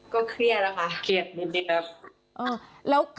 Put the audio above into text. ก็เครียดแล้วค่ะ